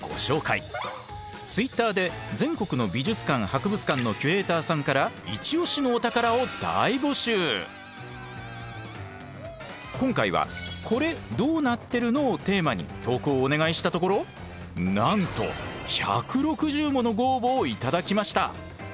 ツイッターで全国の美術館・博物館の今回は「コレどうなってるの」をテーマに投稿をお願いしたところなんと１６０ものご応募を頂きました。